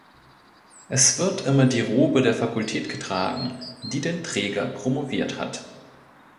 Es wird immer die Robe der Fakultät getragen, die den Träger promoviert hat.